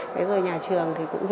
thế rồi nhà trường thì cũng